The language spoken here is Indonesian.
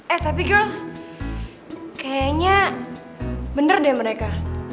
eh tapi giors kayaknya bener deh mereka